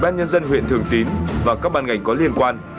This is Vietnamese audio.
các quy định của ubnd huyện thường tín và các bàn ngành có liên quan